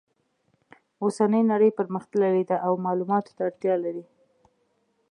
اوسنۍ نړۍ پرمختللې ده او معلوماتو ته اړتیا لري